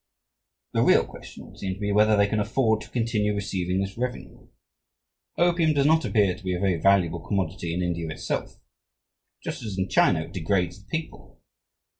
The real question would seem to be whether they can afford to continue receiving this revenue. Opium does not appear to be a very valuable commodity in India itself. Just as in China, it degrades the people.